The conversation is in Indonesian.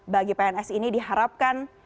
bagi pns ini diharapkan